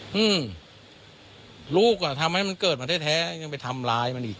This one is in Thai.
อืมลูกอ่ะทำให้มันเกิดมาแท้แท้ยังไปทำร้ายมันอีก